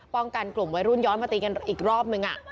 กันกลุ่มวัยรุ่นย้อนมาตีกันอีกรอบนึง